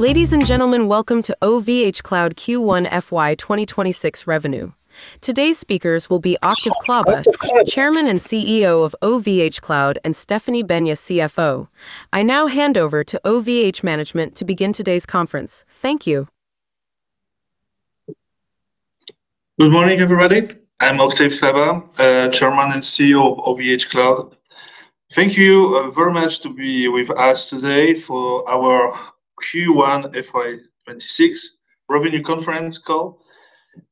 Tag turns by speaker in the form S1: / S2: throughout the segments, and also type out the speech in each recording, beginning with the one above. S1: Ladies and gentlemen, welcome to OVHcloud Q1 FY 2026 revenue. Today's speakers will be Octave Klaba, Chairman and CEO of OVH Cloud, and Stéphanie Besnier, CFO. I now hand over to OVH Management to begin today's conference. Thank you.
S2: Good morning, everybody. I'm Octave Klaba, Chairman and CEO of OVHcloud. Thank you very much for being with us today for our Q1 FY 26 revenue conference call,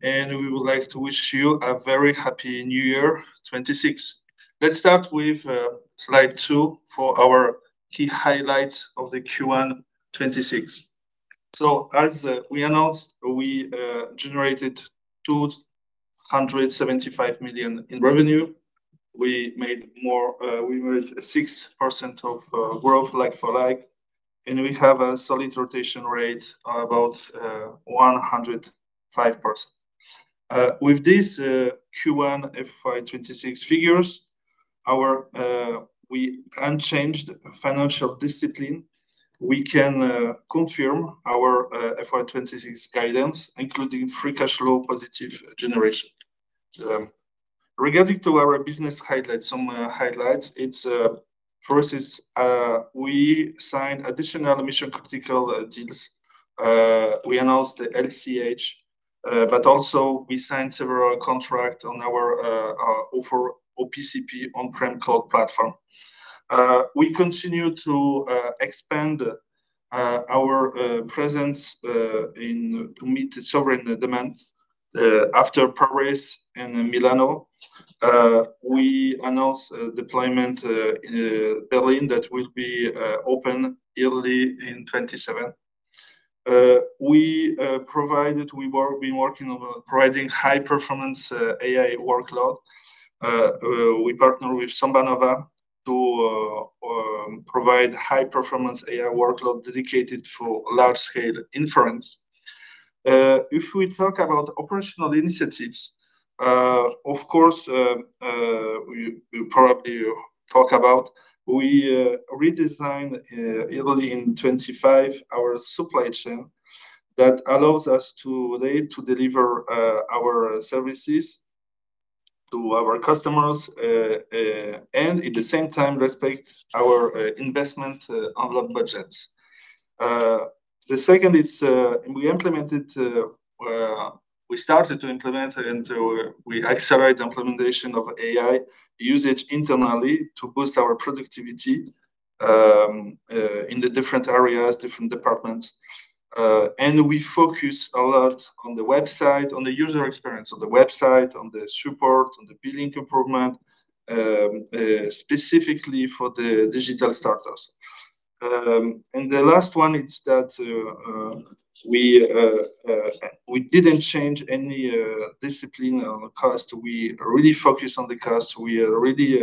S2: and we would like to wish you a very happy New Year 26. Let's start with slide two for our key highlights of the Q1 26. So, as we announced, we generated 275 million in revenue. We made 6% growth like for like, and we have a solid rotation rate of about 105%. With these Q1 FY 26 figures, we maintain unchanged financial discipline. We can confirm our FY 26 guidance, including free cash flow positive generation. Regarding our business highlights, some highlights: it's for us, we signed additional mission-critical deals. We announced the LCH, but also we signed several contracts on our offer OPCP on-prem cloud platform. We continue to expand our presence to meet sovereign demand after Paris and Milan. We announced deployment in Berlin that will be open early in 2027. We've been working on providing high-performance AI workload. We partner with SambaNova to provide high-performance AI workload dedicated for large-scale inference. If we talk about operational initiatives, of course, we probably talk about we redesigned early in 2025 our supply chain that allows us today to deliver our services to our customers and, at the same time, respect our investment on the budgets. The second is we started to implement, and we accelerate the implementation of AI usage internally to boost our productivity in the different areas, different departments. We focus a lot on the website, on the user experience of the website, on the support, on the billing improvement, specifically for the digital starters. And the last one is that we didn't change any discipline on the cost. We really focus on the cost. We really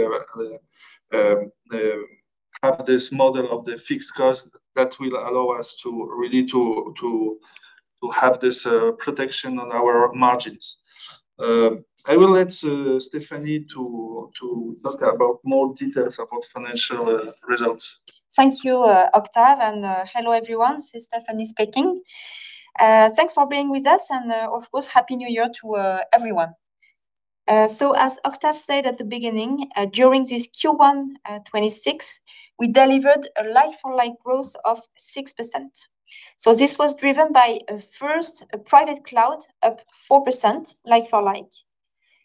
S2: have this model of the fixed cost that will allow us to really have this protection on our margins. I will let Stéphanie to talk about more details about financial results.
S3: Thank you, Octave, and hello everyone. This is Stéphanie speaking. Thanks for being with us, and of course, happy New Year to everyone. So, as Octave said at the beginning, during this Q1 2026, we delivered a like-for-like growth of 6%. So, this was driven by first, private cloud up 4% like-for-like.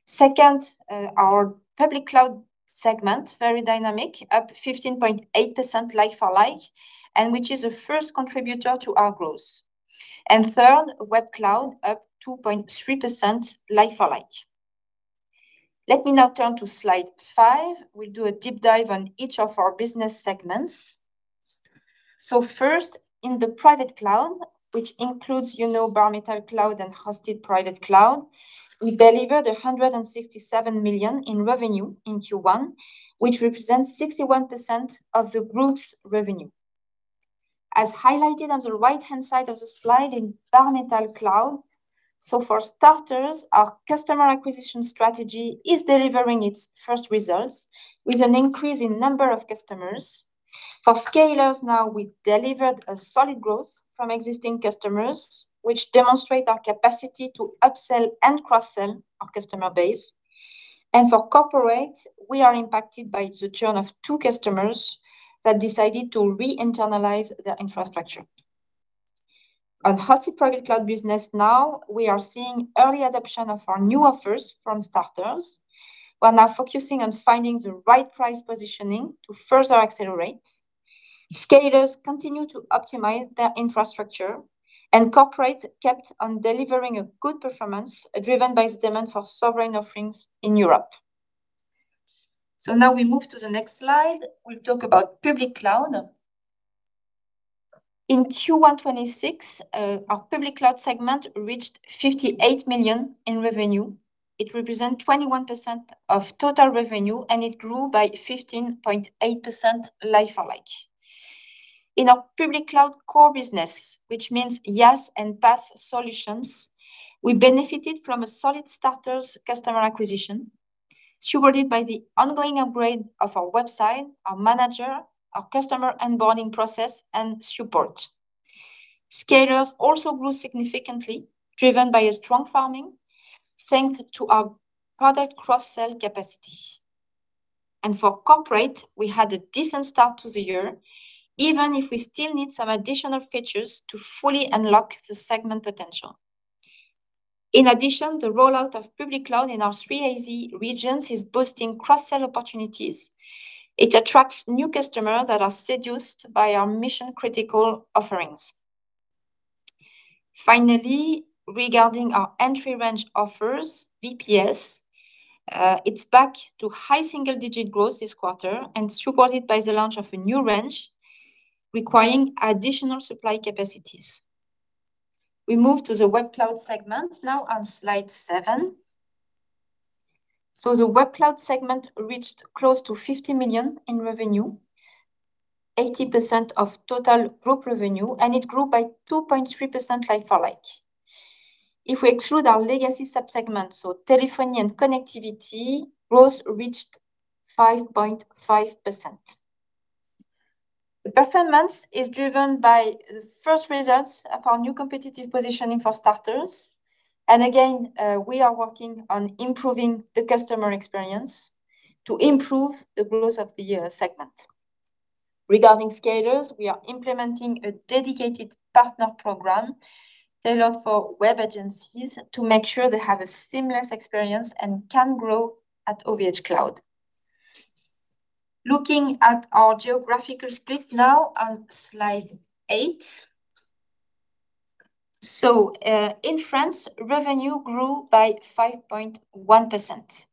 S3: Second, our public cloud segment, very dynamic, up 15.8% like-for-like, and which is a first contributor to our growth. And third, web cloud up 2.3% like-for-like. Let me now turn to slide five. We'll do a deep dive on each of our business segments. So, first, in the private cloud, which includes Bare Metal Cloud and Hosted Private Cloud, we delivered 167 million in revenue in Q1, which represents 61% of the group's revenue. As highlighted on the right-hand side of the slide in Bare Metal Cloud, so for starters, our customer acquisition strategy is delivering its first results with an increase in number of customers. For scalers, now we delivered a solid growth from existing customers, which demonstrates our capacity to upsell and cross-sell our customer base. And for corporate, we are impacted by the turn of two customers that decided to re-internalize their infrastructure. On Hosted Private Cloud business, now we are seeing early adoption of our new offers from starters. We're now focusing on finding the right price positioning to further accelerate. Scalers continue to optimize their infrastructure, and corporate kept on delivering a good performance driven by the demand for sovereign offerings in Europe. So now we move to the next slide. We'll talk about public cloud. In Q1 2026, our public cloud segment reached 58 million in revenue. It represents 21% of total revenue, and it grew by 15.8% like-for-like. In our public cloud core business, which means IaaS and PaaS solutions, we benefited from a solid starters customer acquisition, supported by the ongoing upgrade of our website, our marketing, our customer onboarding process, and support. Scalers also grew significantly, driven by a strong demand thanks to our product cross-sell capacity. And for corporate, we had a decent start to the year, even if we still need some additional features to fully unlock the segment potential. In addition, the rollout of public cloud in our three AZ regions is boosting cross-sell opportunities. It attracts new customers that are seduced by our mission-critical offerings. Finally, regarding our entry-range offers, VPS, it's back to high single-digit growth this quarter and supported by the launch of a new range requiring additional supply capacities. We move to the Web Cloud segment now on slide seven. The Web Cloud segment reached close to 50 million in revenue, 80% of total group revenue, and it grew by 2.3% like-for-like. If we exclude our legacy subsegment, so telephony and connectivity, growth reached 5.5%. The performance is driven by the first results of our new competitive positioning for Starters. Again, we are working on improving the customer experience to improve the growth of the segment. Regarding Scalers, we are implementing a dedicated partner program tailored for web agencies to make sure they have a seamless experience and can grow at OVHcloud. Looking at our geographical split now on slide eight. In France, revenue grew by 5.1%.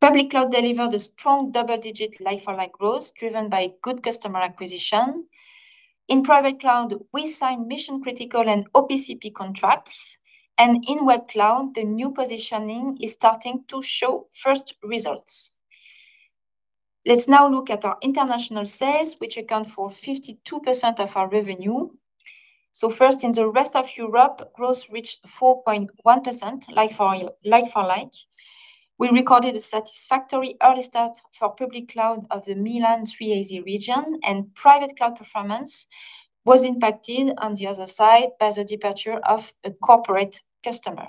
S3: Public Cloud delivered a strong double-digit like-for-like growth driven by good customer acquisition. In private cloud, we signed mission-critical and OPCP contracts, and in web cloud, the new positioning is starting to show first results. Let's now look at our international sales, which account for 52% of our revenue. First, in the rest of Europe, growth reached 4.1% like-for-like. We recorded a satisfactory early start for public cloud of the Milan 3-AZ region, and private cloud performance was impacted on the other side by the departure of a corporate customer.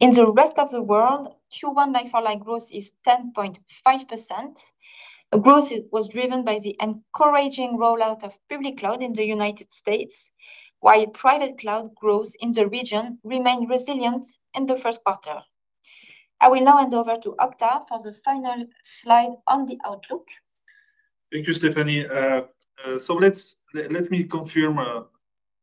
S3: In the rest of the world, Q1 like-for-like growth is 10.5%. Growth was driven by the encouraging rollout of public cloud in the United States, while private cloud growth in the region remained resilient in the first quarter. I will now hand over to Octave for the final slide on the outlook.
S2: Thank you, Stéphanie. So, let me confirm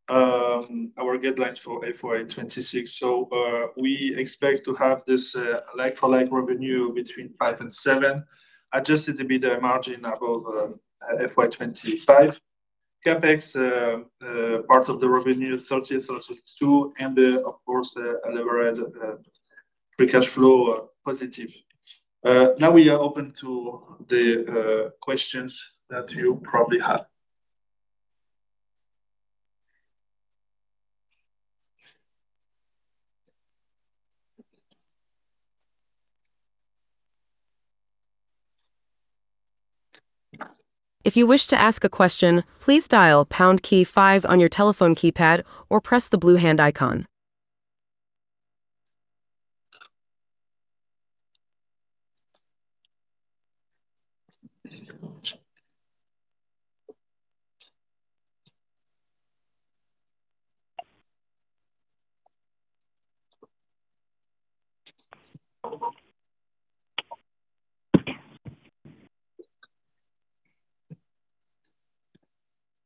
S2: our guidelines for FY 2026. So, we expect to have this like-for-like revenue between 5%-7%, adjusted a bit the margin above FY 2025. CapEx part of the revenue 30-32%, and of course, a levered free cash flow positive. Now we are open to the questions that you probably have.
S1: If you wish to ask a question, please dial pound key five on your telephone keypad or press the blue hand icon.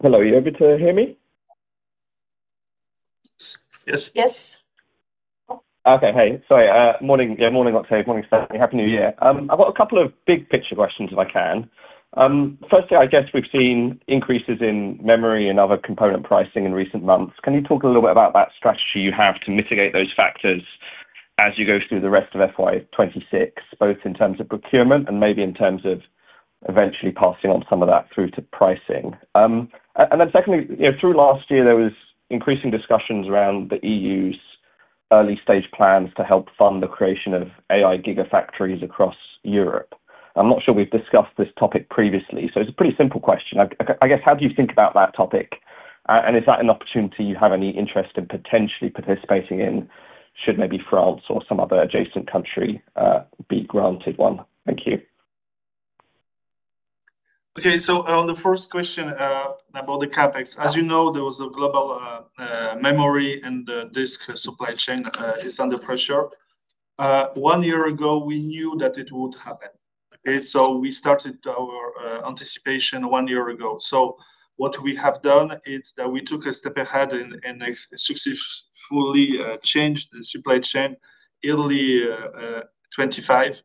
S1: Hello, you're able to hear me?
S2: Yes.
S3: Yes. Okay, hey, sorry. Morning, yeah, morning, Octave. Morning, Stéphanie. Happy New Year. I've got a couple of big picture questions if I can. Firstly, I guess we've seen increases in memory and other component pricing in recent months. Can you talk a little bit about that strategy you have to mitigate those factors as you go through the rest of FY 2026, both in terms of procurement and maybe in terms of eventually passing on some of that through to pricing? And then secondly, through last year, there were increasing discussions around the EU's early stage plans to help fund the creation of AI gigafactories across Europe. I'm not sure we've discussed this topic previously, so it's a pretty simple question. I guess, how do you think about that topic? Is that an opportunity you have any interest in potentially participating in should maybe France or some other adjacent country be granted one? Thank you.
S2: Okay, so on the first question about the CapEx, as you know, there was a global memory and disk supply chain under pressure. One year ago, we knew that it would happen. Okay, so we started our anticipation one year ago. So what we have done is that we took a step ahead and successfully changed the supply chain early 2025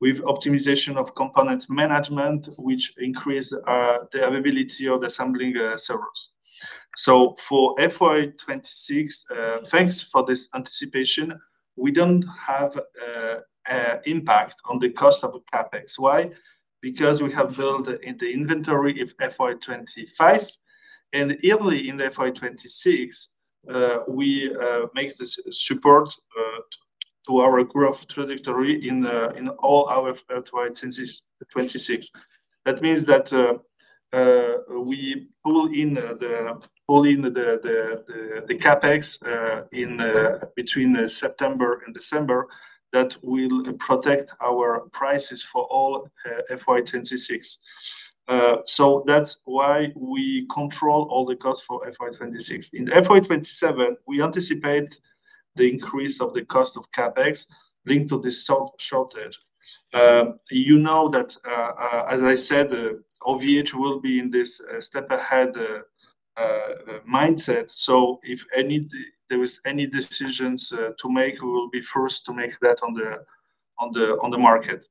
S2: with optimization of component management, which increased the availability of the assembling servers. So for FY 2026, thanks for this anticipation, we don't have an impact on the cost of CapEx. Why? Because we have built in the inventory of FY 2025, and early in FY 2026, we make the support to our growth trajectory in all our FY 2026. That means that we pull in the CapEx between September and December that will protect our prices for all FY 2026. So that's why we control all the costs for FY 2026. In FY 2027, we anticipate the increase of the cost of CapEx linked to this shortage. You know that, as I said, OVH will be in this step ahead mindset. So if there are any decisions to make, we will be first to make that on the market.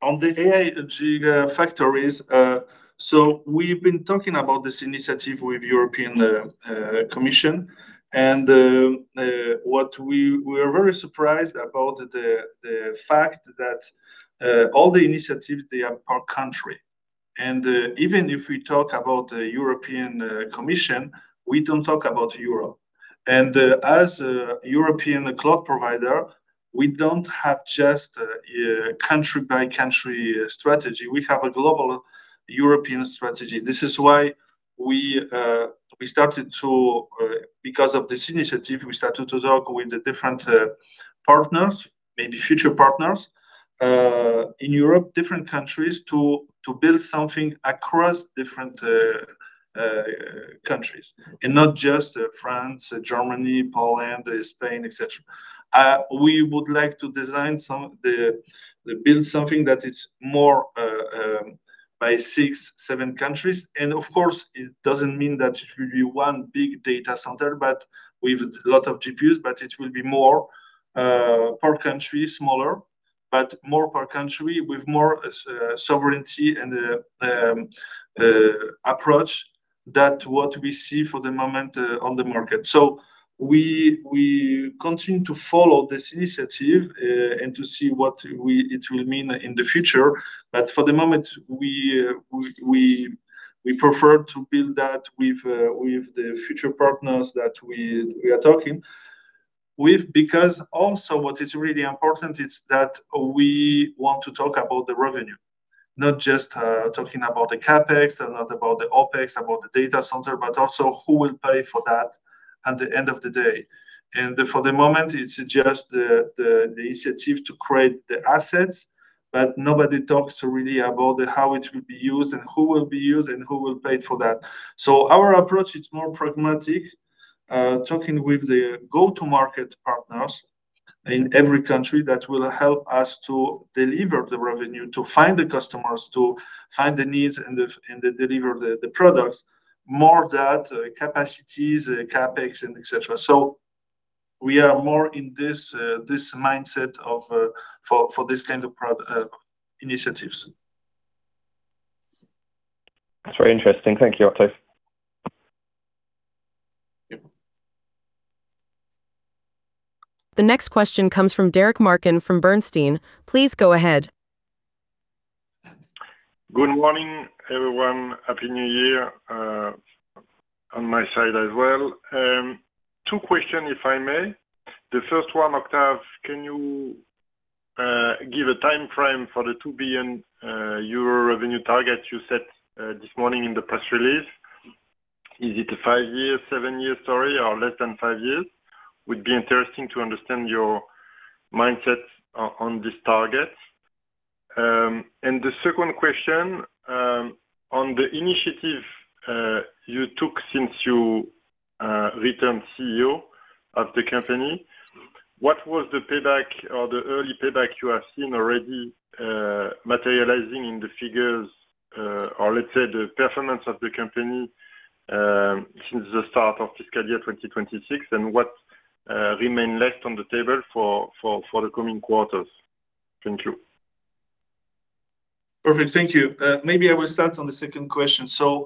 S2: On the AI gigafactories, so we've been talking about this initiative with the European Commission, and we were very surprised about the fact that all the initiatives, they are per country. And even if we talk about the European Commission, we don't talk about Europe. And as a European cloud provider, we don't have just a country-by-country strategy. We have a global European strategy. This is why, because of this initiative, we started to talk with the different partners, maybe future partners in Europe, different countries to build something across different countries and not just France, Germany, Poland, Spain, etc. We would like to design, build something that is more by six, seven countries. Of course, it doesn't mean that it will be one big data center, but with a lot of GPUs, but it will be more per country, smaller, but more per country with more sovereignty and approach than what we see for the moment on the market. We continue to follow this initiative and to see what it will mean in the future. But for the moment, we prefer to build that with the future partners that we are talking with, because also what is really important is that we want to talk about the revenue, not just talking about the CapEx and not about the OpEx, about the data center, but also who will pay for that at the end of the day. And for the moment, it's just the initiative to create the assets, but nobody talks really about how it will be used and who will be used and who will pay for that. So our approach, it's more pragmatic, talking with the go-to-market partners in every country that will help us to deliver the revenue, to find the customers, to find the needs and deliver the products, more than capacities, CapEx, and etc. So we are more in this mindset for this kind of initiatives. That's very interesting. Thank you, Octave.
S1: The next question comes from Derric Marcon from Bernstein. Please go ahead.
S4: Good morning, everyone. Happy New Year on my side as well. Two questions, if I may. The first one, Octave, can you give a timeframe for the 2 billion euro revenue target you set this morning in the press release? Is it a five-year, seven-year story, or less than five years? It would be interesting to understand your mindset on this target. And the second question, on the initiative you took since you returned CEO of the company, what was the payback or the early payback you have seen already materializing in the figures, or let's say the performance of the company since the start of fiscal year 2026, and what remained left on the table for the coming quarters? Thank you.
S2: Perfect. Thank you. Maybe I will start on the second question. So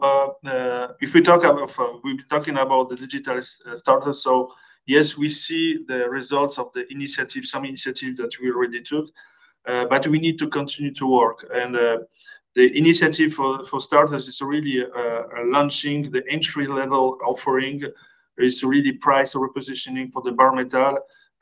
S2: if we talk about, we've been talking about the digital starters. So yes, we see the results of some initiatives that we already took, but we need to continue to work. And the initiative for starters is really launching the entry-level offering, is really price overpositioning for the bare metal,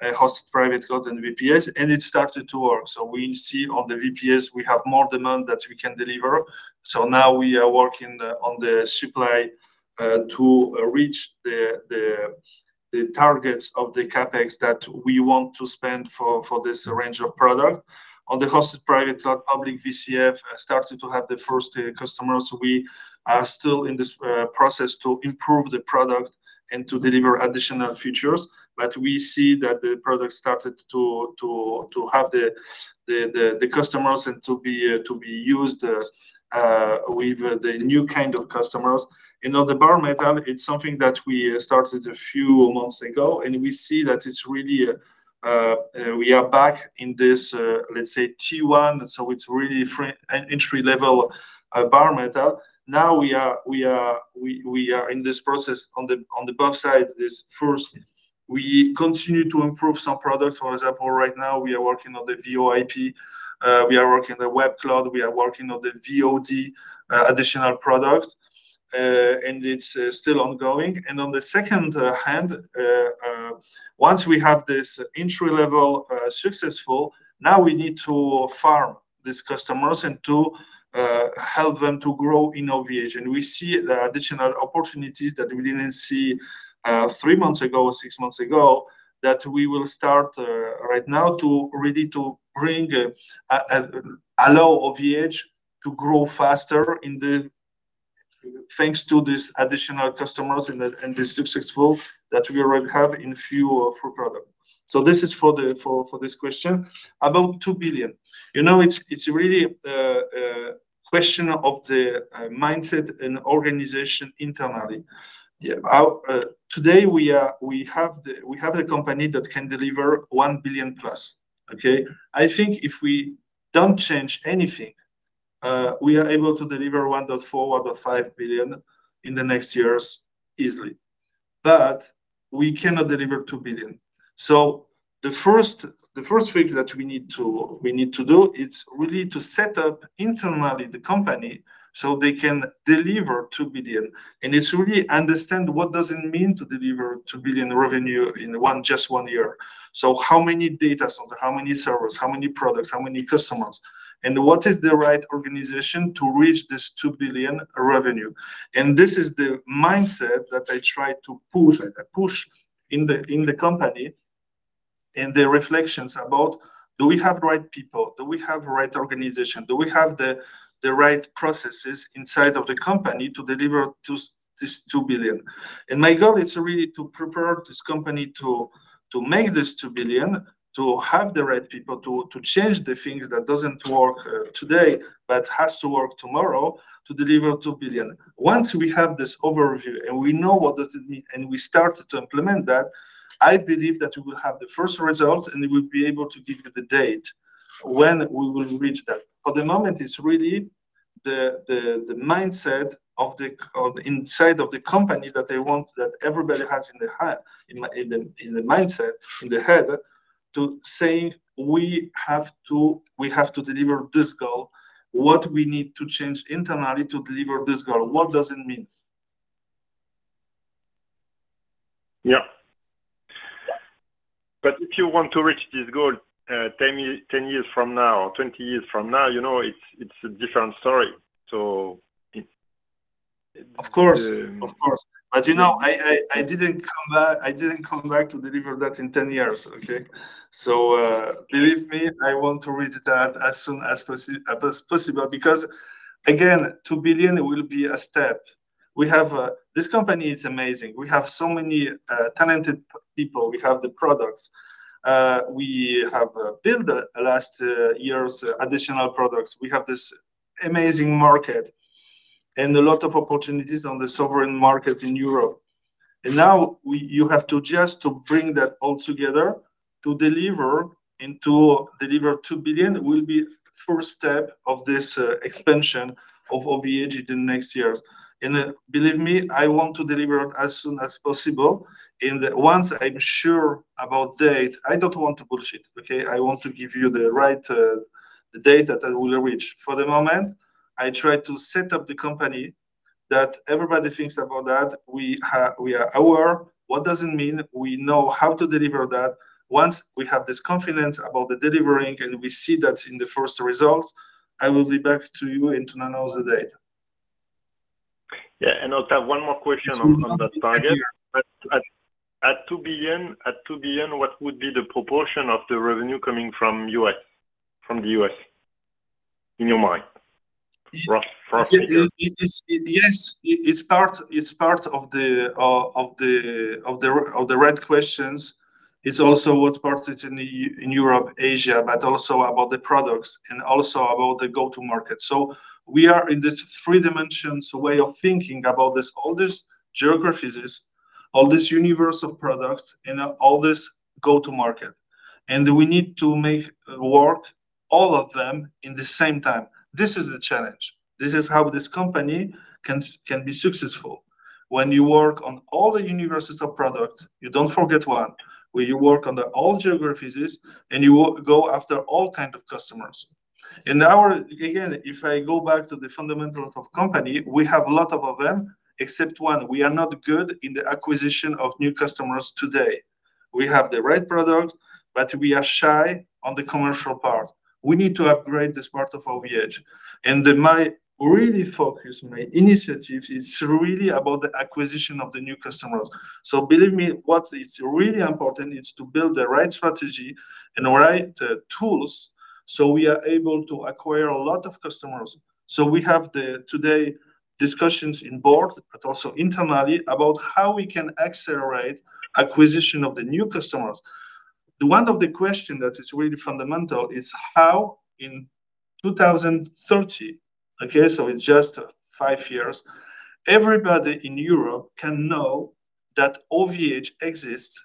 S2: hosted private cloud, and VPS, and it started to work. So we see on the VPS, we have more demand that we can deliver. So now we are working on the supply to reach the targets of the CapEx that we want to spend for this range of product. On the hosted private cloud, public VCF started to have the first customers. We are still in the process to improve the product and to deliver additional features, but we see that the product started to have the customers and to be used with the new kind of customers. On the bare metal, it's something that we started a few months ago, and we see that it's really, we are back in this, let's say, T1, so it's really entry-level bare metal. Now we are in this process on the public side, this first. We continue to improve some products. For example, right now we are working on the VoIP. We are working on the Web Cloud. We are working on the VOD additional product, and it's still ongoing. On the other hand, once we have this entry-level successful, now we need to farm these customers and to help them to grow in OVH. We see the additional opportunities that we didn't see three months ago or six months ago, that we will start right now to really bring allow OVH to grow faster thanks to these additional customers and this successful that we already have in a few products. So this is for this question about 2 billion. You know, it's really a question of the mindset and organization internally. Today, we have a company that can deliver 1 billion plus. Okay? I think if we don't change anything, we are able to deliver 1.4-1.5 billion in the next years easily, but we cannot deliver 2 billion. So the first things that we need to do, it's really to set up internally the company so they can deliver 2 billion. And it's really understand what does it mean to deliver 2 billion revenue in just one year. How many data centers, how many servers, how many products, how many customers, and what is the right organization to reach this 2 billion revenue? This is the mindset that I try to push in the company and the reflections about, do we have the right people? Do we have the right organization? Do we have the right processes inside of the company to deliver this 2 billion? My goal, it's really to prepare this company to make this 2 billion, to have the right people to change the things that don't work today, but has to work tomorrow to deliver 2 billion. Once we have this overview and we know what does it mean and we start to implement that, I believe that we will have the first result and we'll be able to give you the date when we will reach that. For the moment, it's really the mindset inside of the company that they want that everybody has in the mindset, in the head, to say, we have to deliver this goal. What do we need to change internally to deliver this goal? What does it mean?
S4: Yeah, but if you want to reach this goal 10 years from now or 20 years from now, you know it's a different story. So.
S2: Of course, of course. But you know, I didn't come back to deliver that in 10 years, okay? So believe me, I want to reach that as soon as possible because, again, 2 billion will be a step. This company, it's amazing. We have so many talented people. We have the products. We have built last year's additional products. We have this amazing market and a lot of opportunities on the sovereign market in Europe. And now you have to just bring that all together to deliver and to deliver 2 billion will be the first step of this expansion of OVH in the next years. And believe me, I want to deliver as soon as possible. And once I'm sure about date, I don't want to bullshit, okay? I want to give you the right date that I will reach. For the moment, I try to set up the company that everybody thinks about that. We are aware. What does it mean? We know how to deliver that. Once we have this confidence about the delivering and we see that in the first results, I will be back to you in two hours' time.
S4: Yeah, and Octave, one more question on that target. At 2 billion, what would be the proportion of the revenue coming from the U.S. in your mind?
S2: Yes, it's part of the right questions. It's also what parts in Europe, Asia, but also about the products and also about the go-to-market. So we are in this three-dimensional way of thinking about all these geographies, all this universe of products, and all this go-to-market. And we need to make work all of them in the same time. This is the challenge. This is how this company can be successful. When you work on all the universes of products, you don't forget one, where you work on all geographies and you go after all kinds of customers. And again, if I go back to the fundamentals of the company, we have a lot of them, except one. We are not good in the acquisition of new customers today. We have the right product, but we are shy on the commercial part. We need to upgrade this part of OVH. And my real focus, my initiative, it's really about the acquisition of the new customers. So believe me, what is really important is to build the right strategy and the right tools so we are able to acquire a lot of customers. So we have today discussions in board, but also internally about how we can accelerate acquisition of the new customers. One of the questions that is really fundamental is how, in 2030, okay, so it's just five years, everybody in Europe can know that OVH exists,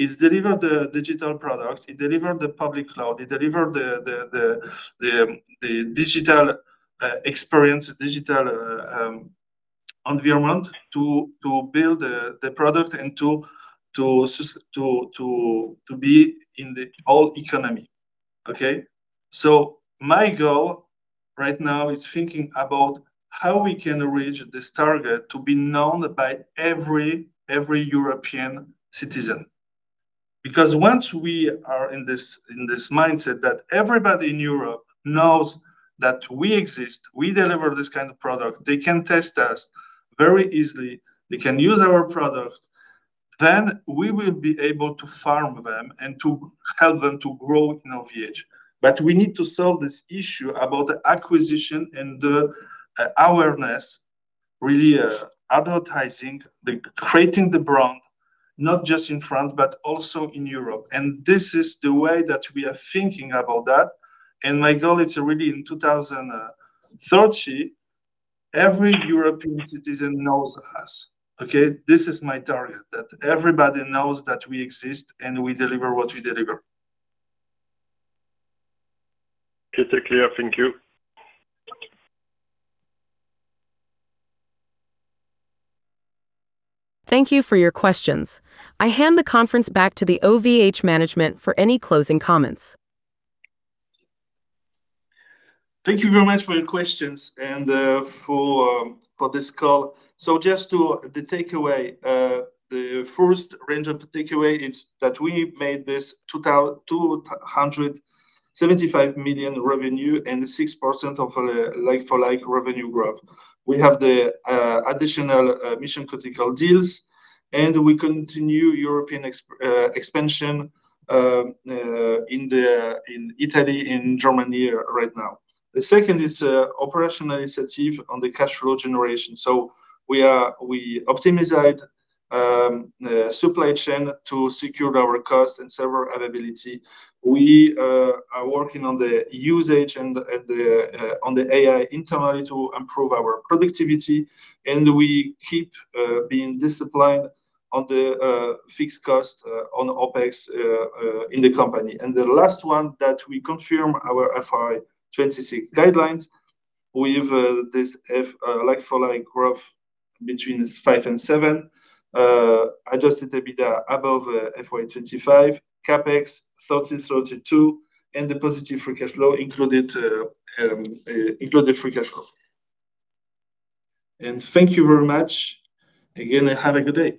S2: is delivering the digital products, is delivering the public cloud, is delivering the digital experience, digital environment to build the product and to be in the whole economy. Okay? So my goal right now is thinking about how we can reach this target to be known by every European citizen. Because once we are in this mindset that everybody in Europe knows that we exist, we deliver this kind of product, they can test us very easily, they can use our products, then we will be able to farm them and to help them to grow in OVH. But we need to solve this issue about the acquisition and the awareness, really advertising, creating the brand, not just in France, but also in Europe. And this is the way that we are thinking about that. And my goal is really in 2030, every European citizen knows us. Okay? This is my target, that everybody knows that we exist and we deliver what we deliver.
S4: It's clear. Thank you.
S1: Thank you for your questions. I hand the conference back to the OVH management for any closing comments.
S2: Thank you very much for your questions and for this call. So just the takeaway, the first range of the takeaway is that we made this 275 million revenue and 6% of like-for-like revenue growth. We have the additional mission-critical deals, and we continue European expansion in Italy, in Germany right now. The second is operational initiative on the cash flow generation. So we optimized the supply chain to secure our cost and server availability. We are working on the usage and on the AI internally to improve our productivity. And we keep being disciplined on the fixed cost on OpEx in the company. And the last one that we confirm our FY26 guidelines, we have this like-for-like growth between 5% and 7%, adjusted a bit above FY25, CapEx 30-32, and the positive free cash flow included free cash flow. And thank you very much. Again, have a good day.